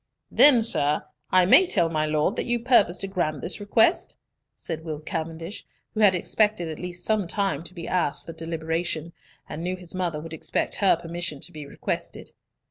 "Then, sir, I may tell my Lord that you purpose to grant this request," said Will Cavendish, who had expected at least some time to be asked for deliberation, and knew his mother would expect her permission to be requested.